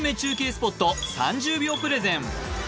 スポット３０秒プレゼン